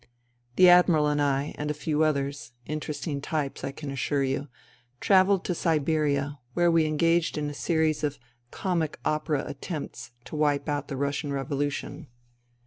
The Admiral and I, and a few others — interesting types, I can assure you — travelled to Siberia, where we engaged in a series of comic opera attempts to wipe out the Russian revolution.